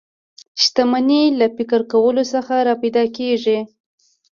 شتمني له فکر کولو څخه را پیدا کېږي